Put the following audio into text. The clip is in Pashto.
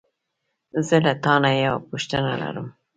زه له تا نه یوه پوښتنه لرم.